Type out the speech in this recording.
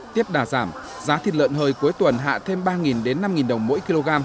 tiếp đà giảm giá thịt lợn hơi cuối tuần hạ thêm ba đến năm đồng mỗi kg